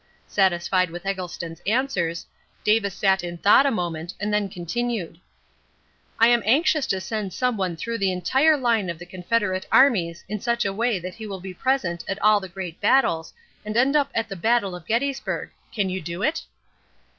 Satisfied with Eggleston's answers, Davis sat in thought a moment, and then continued: "I am anxious to send some one through the entire line of the Confederate armies in such a way that he will be present at all the great battles and end up at the battle of Gettysburg. Can you do it?"